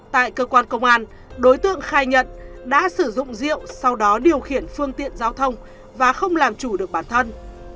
tại cơ quan công an đối tượng khai nhận đã sử dụng rượu sau đó điều khiển phương tiện giao thông và không làm chủ được bản thân